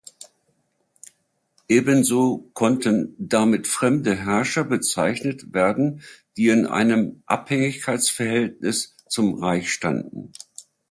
Ebenso konnten damit fremde Herrscher bezeichnet werden, die in einem Abhängigkeitsverhältnis zum Reich standen.